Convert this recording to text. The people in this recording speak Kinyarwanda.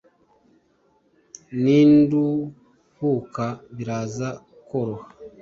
ninduhuka biraza koroha”